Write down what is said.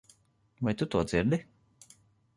Vai tu to dzirdi?